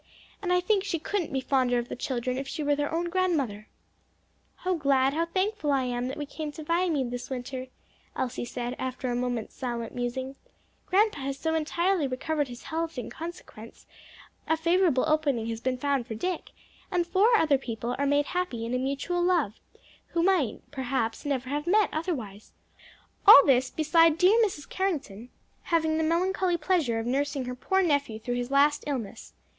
And I think she couldn't be fonder of the children if she were their own grandmother." "How glad, how thankful I am that we came to Viamede this winter," Elsie said, after a moment's silent musing; "grandpa has so entirely recovered his health in consequence, a favorable opening has been found for Dick, and four other people are made happy in mutual love who might, perhaps, never have met otherwise all this, beside dear Mrs. Carrington having the melancholy pleasure of nursing her poor nephew through his last illness.